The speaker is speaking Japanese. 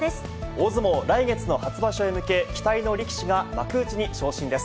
大相撲、来月の初場所へ向け、期待の力士が幕内に昇進です。